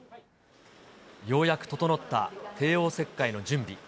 ようやく整った帝王切開の準備。